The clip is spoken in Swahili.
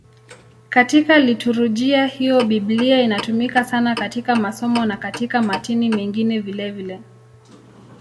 Katika liturujia hiyo Biblia inatumika sana katika masomo na katika matini mengine vilevile.